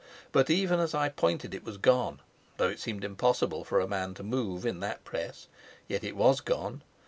But, even as I pointed, it was gone; though it seemed impossible for a man to move in that press, yet it was gone.